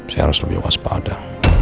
saya harus lebih waspada